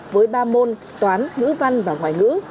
với ba môn toán ngữ văn và ngoại ngữ